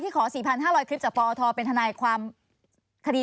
ที่ขอสี่พันห้าร้อยคริปจากฟอทอเป็นธนายความคดี